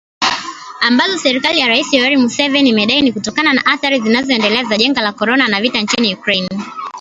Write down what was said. Ambazo serikali ya Rais Yoweri Museveni imedai ni kutokana na athari zinazoendelea za janga la korona na vita nchini Ukraine.